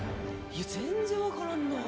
全然分からんなぁ。